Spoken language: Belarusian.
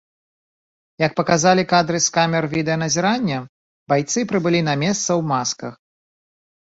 Як паказалі кадры з камер відэаназірання, байцы прыбылі на месца ў масках.